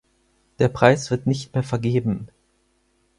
Der Preis wird nicht mehr vergeben.